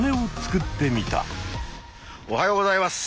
おはようございます！